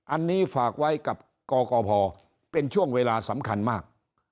อันนี้ฝากไว้กับกกพเป็นช่วงเวลาสำคัญมาก